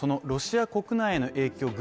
ロシア国内の影響